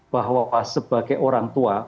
bahwa pak sebagai orang indonesia